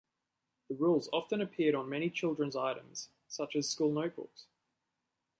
The Rules often appeared on many children's items, such as school notebooks.